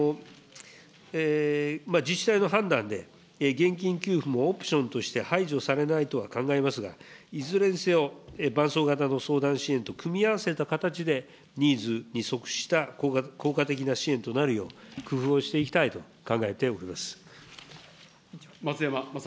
自治体の判断で、現金給付もオプションとして排除されないとは考えますが、いずれにせよ、ばんそう型の相談支援と組み合わせた形で、ニーズに即した効果的な支援となるよう、工夫をしていきたいと考えております。